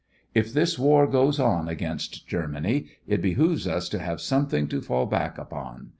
If this war goes on against Germany, it behoves us to have something to fall back upon.